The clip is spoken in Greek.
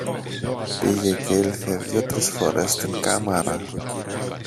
πήγε και ήλθε δυο-τρεις φορές στην κάμαρα.